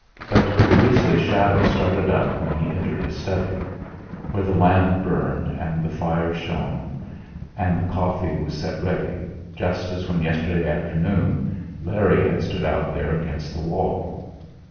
But the grisly shadow started up when he entered his study, where the lamp burned, and the fire shone, and the coffee was set ready, just as when yesterday afternoon Larry had stood out there against the wall.